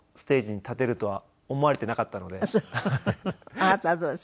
あなたはどうですか？